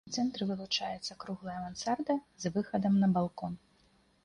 У цэнтры вылучаецца круглая мансарда з выхадам на балкон.